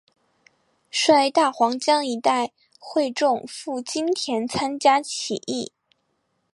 率大湟江一带会众赴金田参加起义。